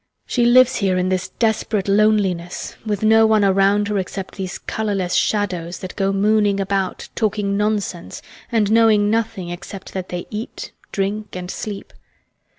She lives here in this desperate loneliness with no one around her except these colourless shadows that go mooning about talking nonsense and knowing nothing except that they eat, drink, and sleep.